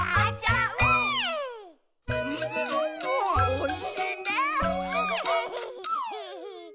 おいしいね。